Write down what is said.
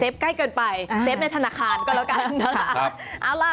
ใกล้เกินไปเซฟในธนาคารก็แล้วกันนะคะ